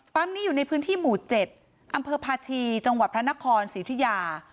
นี้อยู่ในพื้นที่หมู่๗อำเภอพาชีจังหวัดพระนครศรีอุทิยา